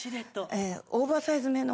オーバーサイズめの。